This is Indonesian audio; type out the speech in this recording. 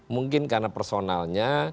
mungkin karena personalnya